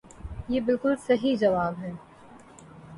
یہ بلکل صحیح جواب ہے۔